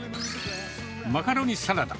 マカロニサラダ。